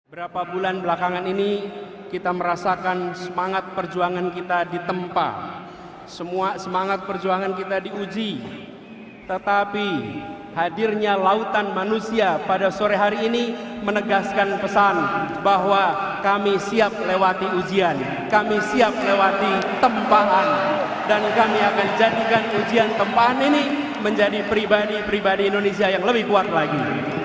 berapa bulan belakangan ini kita merasakan semangat perjuangan kita ditempa semua semangat perjuangan kita diuji tetapi hadirnya lautan manusia pada sore hari ini menegaskan pesan bahwa kami siap lewati ujian kami siap lewati tempahan dan kami akan jadikan ujian tempahan ini menjadi pribadi pribadi indonesia yang lebih kuat lagi